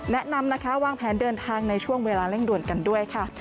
แนะนำนะคะวางแผนเดินทางในช่วงเวลาเร่งด่วนกันด้วยค่ะ